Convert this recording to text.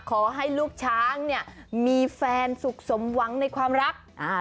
ขอให้ลูกช้างเนี่ยมีแฟนสุขสมหวังในความรัก